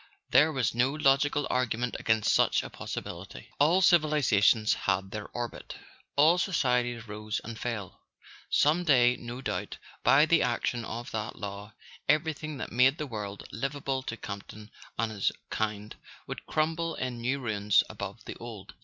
There was no logical argument against such a possibility. All civiliza [ 193 ] A SON AT THE FRONT tions had their orbit; all societies rose and fell. Some day, no doubt, by the action of that law, everything that made the world livable to Campton and his kind would crumble in new ruins above the old.